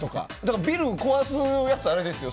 ビル、壊すやつはあれですよ。